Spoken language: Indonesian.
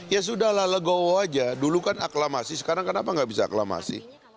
ya sudah lah legowo aja dulu kan aklamasi sekarang kenapa nggak bisa aklamasi